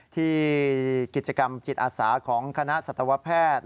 ที่กิจกรรมจิตอาสาของคณะสัตวแพทย์